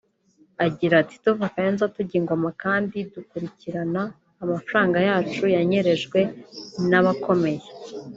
Agira ati “Tuva Kayonza tujya i Ngoma kandi dukurikirana amafaranga yacu yanyerejwe n’abakomeye